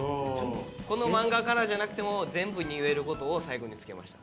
この漫画からじゃなくても全部に言える事を最後につけました。